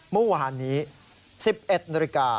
เมื่อวานนี้๑๑น